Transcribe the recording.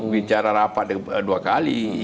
bicara rapat dua kali